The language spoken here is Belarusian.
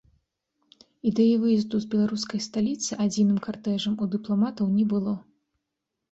Ідэі выезду з беларускай сталіцы адзіным картэжам у дыпламатаў не было.